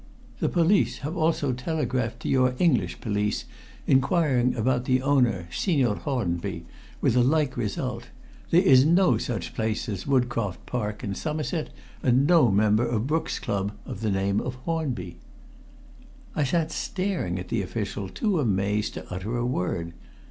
The police have also telegraphed to your English police inquiring about the owner, Signor Hornby, with a like result. There is no such place as Woodcroft Park, in Somerset, and no member of Brook's Club of the name of Hornby." I sat staring at the official, too amazed to utter a word.